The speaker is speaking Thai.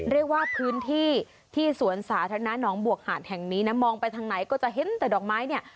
เรียกว่าพื้นที่ที่สวนสาธารณะน้องบวกหาดแห่งนี้นะมองไปทางไหนก็จะเห็นแต่ดอกไม้เนี่ย